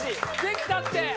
できたって！